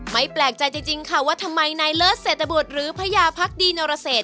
แปลกใจจริงค่ะว่าทำไมนายเลิศเศรษฐบุตรหรือพญาพักดีนรเศษ